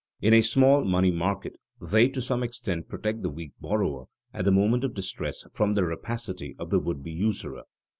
In a small money market they to some extent protect the weak borrower at the moment of distress from the rapacity of the would be usurer.